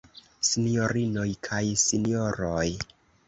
Sinjorinoj kaj Sinjoroj!